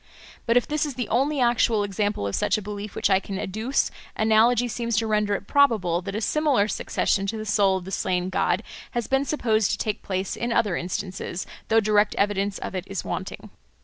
But if this is the only actual example of such a belief which I can adduce, analogy seems to render it probable that a similar succession to the soul of the slain god has been supposed to take place in other instances, though direct evidence of it is wanting.